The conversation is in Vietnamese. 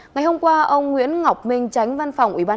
ngày hôm qua ông nguyễn ngọc minh tránh văn phòng ubnd